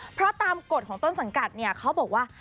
เพราะตามกฎของต้นสังกัดก็บอกว่า